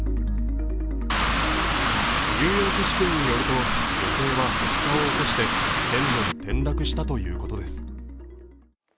ニューヨーク市警によると女性は発作を起こして線路に転落したということです。